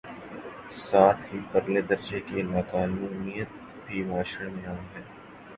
ساتھ ہی پرلے درجے کی لا قانونیت بھی معاشرے میں عام ہے۔